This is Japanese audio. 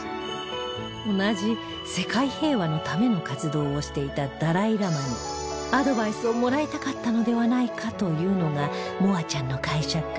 同じ世界平和のための活動をしていたダライ・ラマにアドバイスをもらいたかったのではないかというのが望亜ちゃんの解釈